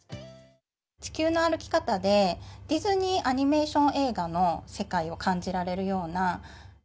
地球の歩き方で、ディズニーアニメーション映画の世界を感じられるような。